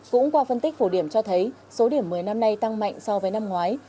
cũng qua phân tích phổ điểm cho thấy số điểm mới năm nay tăng mạnh so với năm ngoái